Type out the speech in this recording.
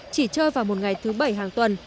chỉ chơi vào một ngày thứ bảy hàng tuần